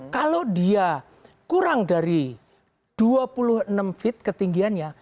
kalau dia kurang dari dua puluh enam feet ketinggiannya